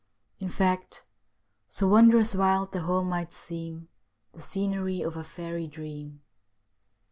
In fact So wondrous wild, the whole might seem The scenery of a fairy dream.